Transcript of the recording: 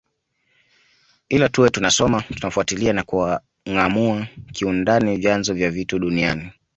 Ila tuwe tunasoma tunafuatilia na kungâamua kiundani vyanzo vya vitu duniani